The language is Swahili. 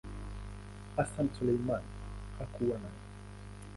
Hassan Suleiman hakuwa nayo.